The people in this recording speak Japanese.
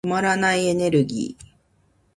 止まらないエネルギー。